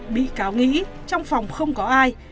bị cáo nghĩ trong phòng không có ai